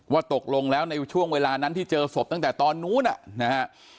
ว่าตกลงแล้วในช่วงเวลานั้นที่เจอศพตั้งแต่ตอนนู้นนะฮะ